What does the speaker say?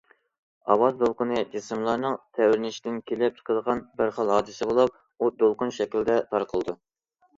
ئاۋاز دولقۇنى جىسىملارنىڭ تەۋرىنىشىدىن كېلىپ چىقىدىغان بىر خىل ھادىسە بولۇپ، ئۇ دولقۇن شەكلىدە تارقىلىدۇ.